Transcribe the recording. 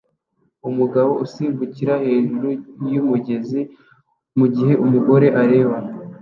Umugabo usimbukira hejuru yumugezi mugihe umugore areba